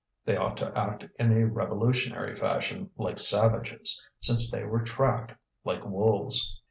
They ought to act in a revolutionary fashion, like savages, since they were tracked like wolves.